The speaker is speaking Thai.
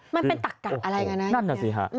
มันเป็นตักกัดอะไรอย่างนั้นเนี่ยอืมนั่นน่ะสิค่ะ